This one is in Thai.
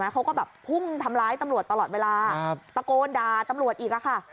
เขาก็แบบพุ่งทำร้ายตำรวจตลอดเวลาตะโกนด่าตำรวจอีกค่ะ